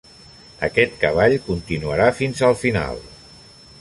Aquest cavall continuarà fins al final.